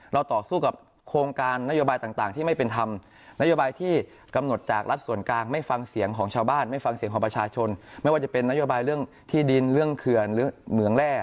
เราต่อสู้กับโครงการนโยบายต่างที่ไม่เป็นธรรม